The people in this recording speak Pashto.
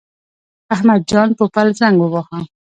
احمد جان پوپل زنګ وواهه.